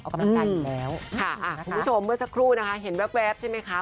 ออกกำลังกายอยู่แล้วค่ะอ่าคุณผู้ชมเมื่อสักครู่นะคะเห็นแวบใช่ไหมคะ